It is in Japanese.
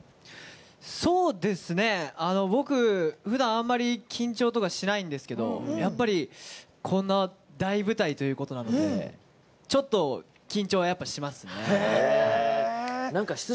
僕、ふだんあんまり緊張とかしないんですけどやっぱりこんな大舞台ということなのでちょっと緊張はやっぱりしますね。